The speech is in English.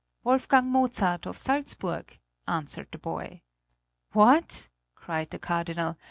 "Wolfgang Mozart of Salzburg," answered the boy. "What!" cried the Cardinal.